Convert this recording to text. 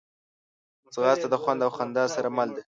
ځغاسته د خوند او خندا سره مل ده